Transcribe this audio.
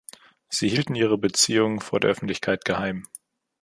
Sie hielten ihre Beziehung vor der Öffentlichkeit geheim.